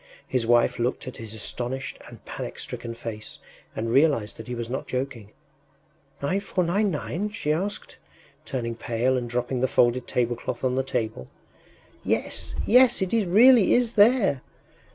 His wife looked at his astonished and panic stricken face, and realized that he was not joking. “9,499?” she asked, turning pale and dropping the folded tablecloth on the table. “Yes, yes... it really is there!